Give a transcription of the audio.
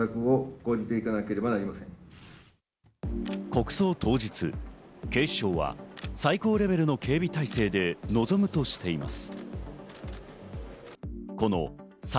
国葬当日、警視庁は最高レベルの警備態勢で臨むとしています。